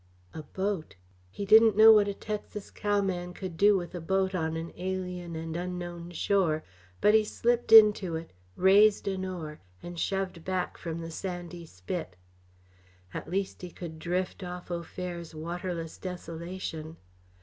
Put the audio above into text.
A boat? He didn't know what a Texas cowman could do with a boat on an alien and unknown shore, but he slipped into it, raised an oar, and shoved back from the sandy spit. At least he could drift off Au Fer's waterless desolation.